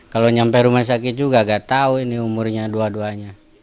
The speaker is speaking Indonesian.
kalau sampai rumah sakit juga nggak tahu ini umurnya dua duanya